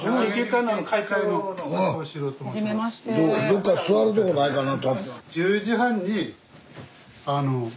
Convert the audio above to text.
どっか座るとこないかな。